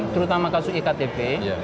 terutama kasus iktp